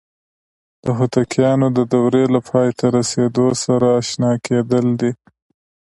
د هوتکیانو د دورې له پای ته رسیدو سره آشنا کېدل دي.